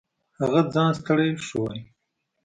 هغه ځان ستړی ښود.